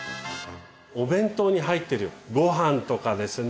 お弁当に入ってるごはんとかですね